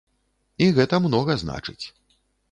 І гэта многа значыць.